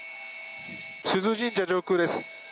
須須神社上空です。